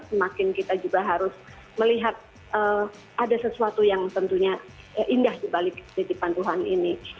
semakin kita juga harus melihat ada sesuatu yang tentunya indah di balik titipan tuhan ini